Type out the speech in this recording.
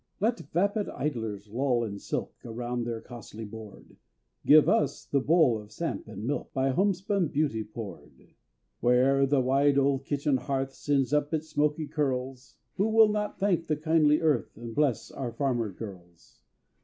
Let vapid idlers loll in silk, Around their costly board; Give us the bowl of samp and milk, By homespun beauty poured! Where'er the wide old kitchen hearth Sends up its smoky curls, Who will not thank the kindly earth, And bless our farmer girls?